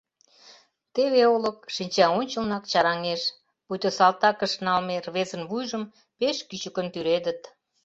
Теве олык шинчаончылнак чараҥеш, пуйто салтакыш налме рвезын вуйжым пеш кӱчыкын тӱредыт.